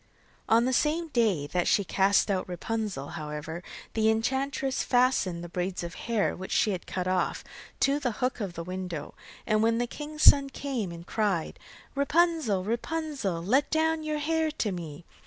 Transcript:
On the same day that she cast out Rapunzel, however, the enchantress fastened the braids of hair, which she had cut off, to the hook of the window, and when the king's son came and cried: 'Rapunzel, Rapunzel, Let down your hair to me.